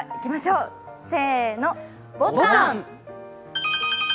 せーの、ボタン！